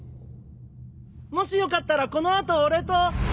もしよかったらこの後俺と。